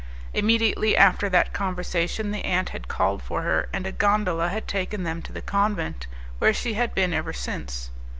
Immediately after that conversation the aunt had called for her, and a gondola had taken them to the convent, where she had been ever since.